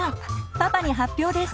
パパに発表です。